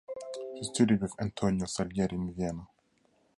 He studied with Antonio Salieri in Vienna.